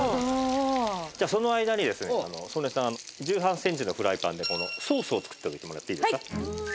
じゃあその間にですね曽根さん１８センチのフライパンでソースを作っておいてもらっていいですか？